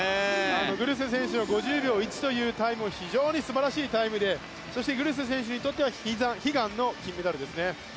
グルセ選手は５１秒１というタイム非常に素晴らしいタイムでそしてグルセ選手にとっては悲願の金メダルですね。